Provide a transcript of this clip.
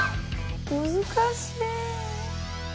難しい。